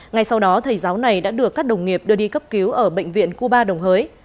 ngay sau đó thầy giáo này đã được các đồng nghiệp đưa đi cấp cứu ở bệnh viện cuba đồng hới